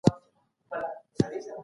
کتاب لوستل ذهن روښانه کوي.